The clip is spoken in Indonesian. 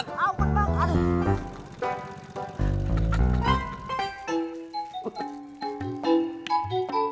aduh aduh aduh